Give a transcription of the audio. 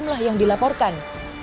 jumlah yang dilaporkan